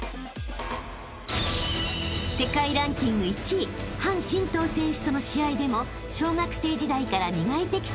［世界ランキング１位樊振東選手との試合でも小学生時代から磨いてきた］